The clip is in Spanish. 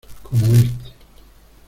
como este.